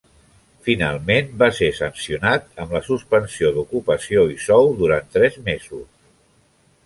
Finalment va ser sancionat amb la suspensió d'ocupació i sou durant tres mesos.